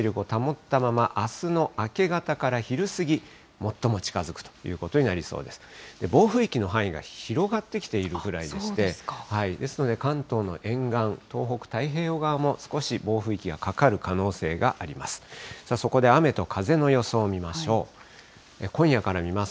暴風域の範囲が広がってきているぐらいでして、ですので関東の沿岸、東北太平洋側も少し暴風域がかかる可能性があります。